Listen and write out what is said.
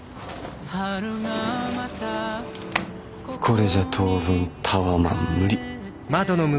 これじゃ当分タワマン無理！